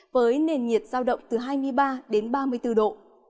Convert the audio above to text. với nền nhiệt giao động từ hai mươi ba đến ba mươi bốn độ